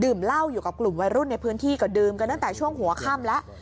เหล้าอยู่กับกลุ่มวัยรุ่นในพื้นที่ก็ดื่มกันตั้งแต่ช่วงหัวค่ำแล้ว